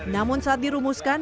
namun saat dirumuskan